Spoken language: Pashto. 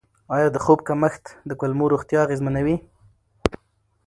آیا د خوب کمښت د کولمو روغتیا اغېزمنوي؟